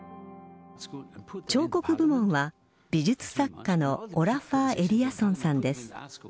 彫刻部門は美術作家のオラファー・エリアソンさんです。